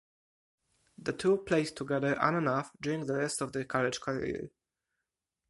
The two played together on and off during the rest of their college career.